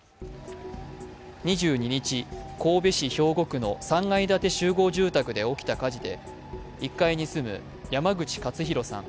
２２日、神戸市兵庫区の３階建て集合住宅で起きた火事で１階に住む、山口勝弘さん